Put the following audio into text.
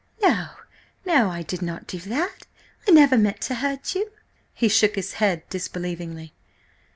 "No, no! I did not do that. I never meant to hurt you." He shook his head disbelievingly.